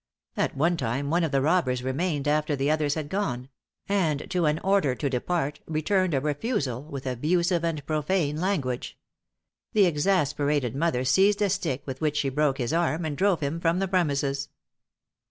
At one time one of the robbers remained after the others had gone; and to an order to depart returned a refusal, with abusive and profane language. The exasperated mother seized a stick, with which she broke his arm, and drove him from the premises.